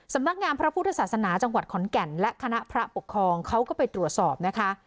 สำนักงามพระพุทธศาสนาจังหวัดขอนแก่นและคณะพระปกครองเขาก็ไปตรวจสอบนะคะ